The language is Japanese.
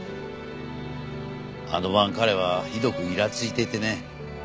あの晩彼はひどくイラついていてね。